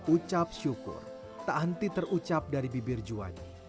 ucap syukur tak henti terucap dari bibir juwani